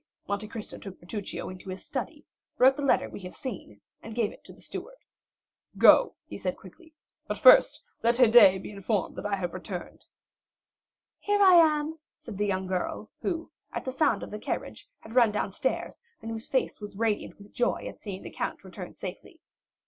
Monte Cristo took Bertuccio into his study, wrote the letter we have seen, and gave it to the steward. "Go," said he quickly. "But first, let Haydée be informed that I have returned." "Here I am," said the young girl, who at the sound of the carriage had run downstairs and whose face was radiant with joy at seeing the count return safely.